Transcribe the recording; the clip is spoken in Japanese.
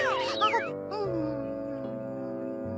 うん！